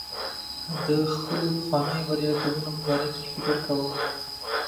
د خپلو پخوانیو بریالیتوبونو په باره کې فکر کوم.